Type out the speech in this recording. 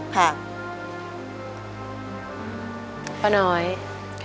ห่าง